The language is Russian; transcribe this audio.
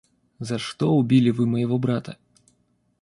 За что убили вы моего брата?